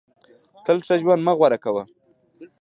تل ښه ژوند مه غوره کوه.